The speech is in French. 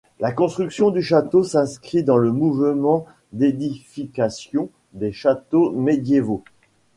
La construction du château s'inscrit dans le mouvement d'édification des châteaux médiévaux.